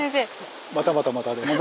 またまたまたで。